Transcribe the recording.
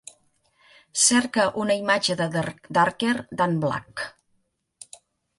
Cerca una imatge de Darker than black.